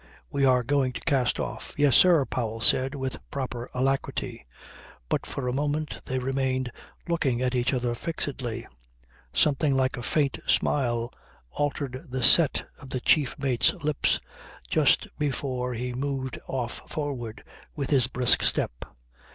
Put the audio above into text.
We are going to cast off." "Yes, sir," Powell said with proper alacrity; but for a moment they remained looking at each other fixedly. Something like a faint smile altered the set of the chief mate's lips just before he moved off forward with his brisk step. Mr.